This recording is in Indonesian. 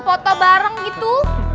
foto bareng gitu